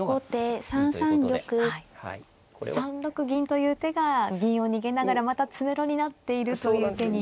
３六銀という手が銀を逃げながらまた詰めろになっているという手に。